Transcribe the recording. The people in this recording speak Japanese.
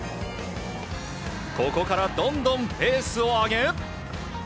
ここからどんどんペースを上げ。